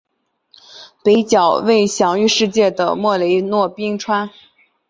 北角为享誉世界的莫雷诺冰川。